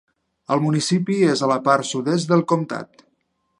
El municipi és a la part sud-est del comtat.